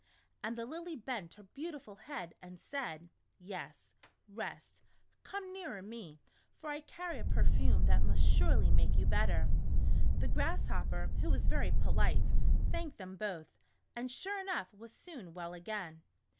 And the Lily bent her beautiful head and said :" Yes, rest, come nearer me, for I carry a perfume that must surely make you better." The Grasshopper, who was very polite, thanked them both, and sure enough was soon well again.